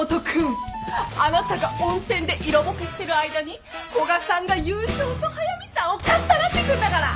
あなたが温泉で色ぼけしてる間に古賀さんが優勝と速見さんをかっさらってくんだから！